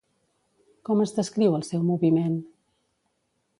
Com es descriu el seu moviment?